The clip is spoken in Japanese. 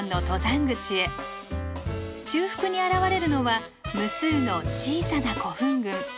中腹に現れるのは無数の小さな古墳群。